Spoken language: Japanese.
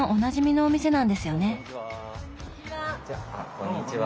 こんにちは。